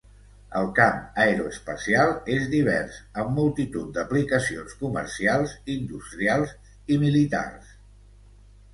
El camp aeroespacial és divers, amb multitud d'aplicacions comercials, industrials i militars.